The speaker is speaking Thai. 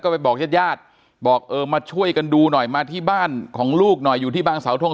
ไปบอกญาติญาติบอกเออมาช่วยกันดูหน่อยมาที่บ้านของลูกหน่อยอยู่ที่บางสาวทง